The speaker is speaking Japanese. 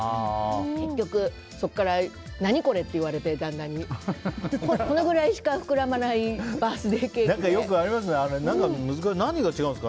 結局、そこから旦那に何これ？って言われてこのぐらいしか膨らまないバースデーケーキで。